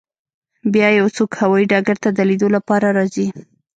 بیا یو څوک هوایی ډګر ته د لیدو لپاره راځي